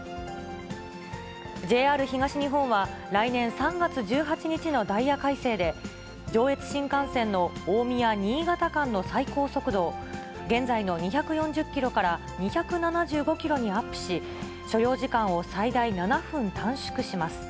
ＪＲ東日本は、来年３月１８日のダイヤ改正で、上越新幹線の大宮・新潟間の最高速度を、現在の２４０キロから２７５キロにアップし、所要時間を最大７分短縮します。